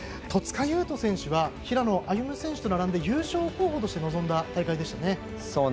戸塚優斗選手は平野歩夢選手と並んで優勝候補として臨んだ大会でしたね。